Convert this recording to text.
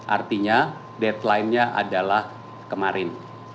artinya deadline nya adalah kemarin